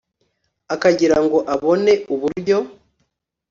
akagira ngo abone ubulyo